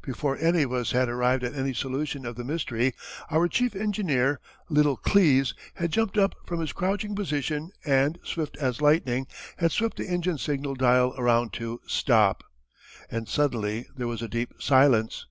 Before any of us had arrived at any solution of the mystery, our Chief Engineer, little Klees, had jumped up from his crouching position, and, swift as lightning, had swept the engine signal dial around to "Stop!" And suddenly there was a deep silence.